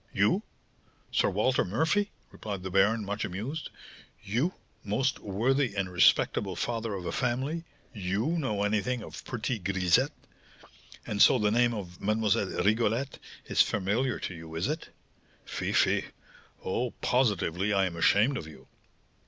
"You! Sir Walter Murphy," replied the baron, much amused. "You, most worthy and respectable father of a family! you know anything of pretty grisettes! And so the name of Mlle. Rigolette is familiar to you, is it? Fie, fie! Oh, positively I am ashamed of you!"